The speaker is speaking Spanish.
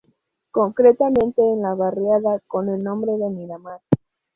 Concretamente en la barriada con el nombre de Miramar.